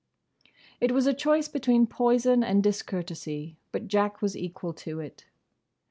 It was a choice between poison and discourtesy, but Jack was equal to it.